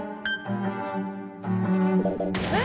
えっ？